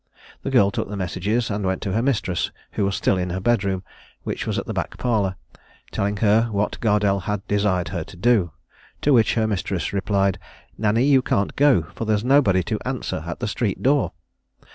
The girl took the messages, and went to her mistress, who was still in her bedroom, which was the back parlour, telling her what Gardelle had desired her to do; to which her mistress replied, "Nanny, you can't go, for there's nobody to answer at the street door."